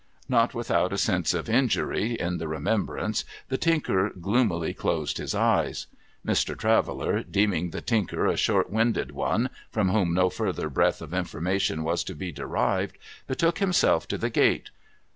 Not without a sense of injury in the remembrance, the Tinker gloomily closed his eyes. Air. Traveller, deeming the Tinker a short winded one, from whom no further breatli of information was to be derived, betook himself to the gate.